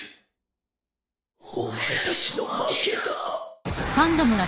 お前たちの負けだ。